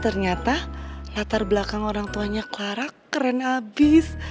ternyata latar belakang orang tuanya klarak keren abis